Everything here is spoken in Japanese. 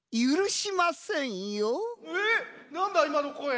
いまのこえ。